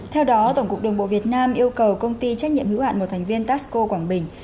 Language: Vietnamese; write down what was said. theo đó tổng cục đường bộ việt nam yêu cầu công ty trách nhiệm hữu hạn một thành viên taxco quảng bình